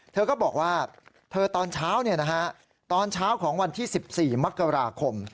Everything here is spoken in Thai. เธอก็บอกว่าเธอตอนเช้าตอนเช้าของวันที่๑๔มกราคม